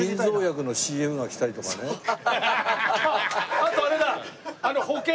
あとあれだ！